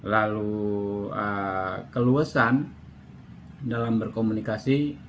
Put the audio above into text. lalu keluasan dalam berkomunikasi